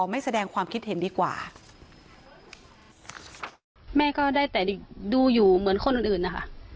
แม่ก็ได้แต่ดูอยู่เหมือนคนอื่นนะคะ